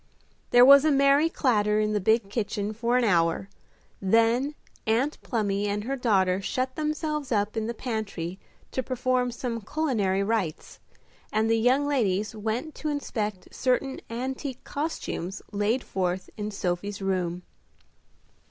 There was a merry clatter in the big kitchen for an hour; then Aunt Plumy and her daughter shut themselves up in the pantry to perform some culinary rites, and the young ladies went to inspect certain antique costumes laid forth in Sophie's room.